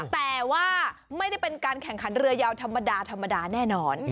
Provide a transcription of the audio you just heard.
แต่ว่าไม่ได้เป็นการแข่งขันเรือยาวธรรมดาธรรมดาแน่นอน